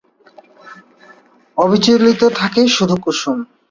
অবিচলিত থাকে শুধু কুসুম।